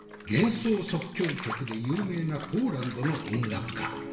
「幻想即興曲」で有名なポーランドの音楽家。